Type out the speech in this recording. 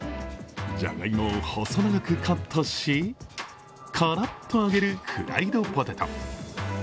じゃがいもを細長くカットしカラッと揚げるフライドポテト。